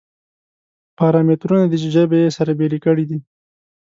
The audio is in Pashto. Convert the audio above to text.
پارامترونه دي چې ژبې یې سره بېلې کړې دي.